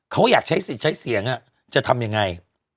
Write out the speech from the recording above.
เขาอยากใช้สิทธิ์ใช้เสียงจะทำยังไง